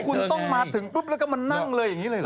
คือคุณต้องมาถึงปุ๊บก็มานั่งเลยอย่างนี้เลย